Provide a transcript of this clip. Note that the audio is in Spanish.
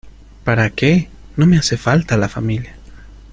¿Para qué? no me hace falta la familia.